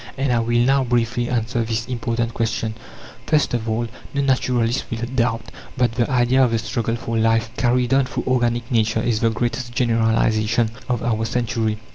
and I will now briefly answer this important question. First of all, no naturalist will doubt that the idea of a struggle for life carried on through organic nature is the greatest generalization of our century.